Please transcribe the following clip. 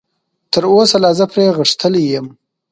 تراوسه لا زه پرې غښتلی یم.